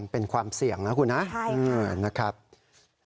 เป็นความเสี่ยงนะคุณฮะนะครับใช่ค่ะ